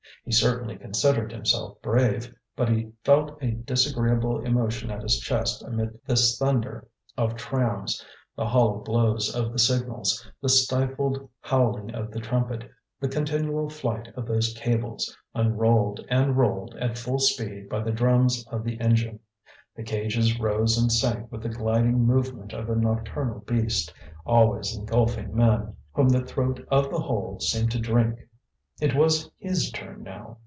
He certainly considered himself brave, but he felt a disagreeable emotion at his chest amid this thunder of trams, the hollow blows of the signals, the stifled howling of the trumpet, the continual flight of those cables, unrolled and rolled at full speed by the drums of the engine. The cages rose and sank with the gliding movement of a nocturnal beast, always engulfing men, whom the throat of the hole seemed to drink. It was his turn now.